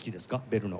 ベルの。